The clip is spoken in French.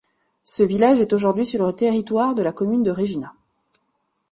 Ce village est aujourd'hui sur le territoire de la commune de Régina.